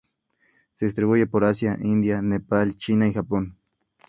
Se distribuye por Asia, en India, Nepal, China y Japón.